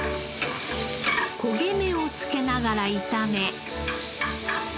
焦げ目を付けながら炒め。